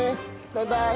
バイバイ！